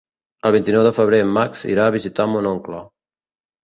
El vint-i-nou de febrer en Max irà a visitar mon oncle.